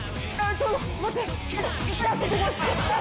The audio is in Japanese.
ちょっと待って。